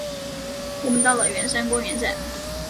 我们到了圆山公园站